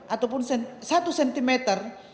ataupun satu sentimeter